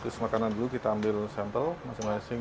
terus makanan dulu kita ambil sampel masing masing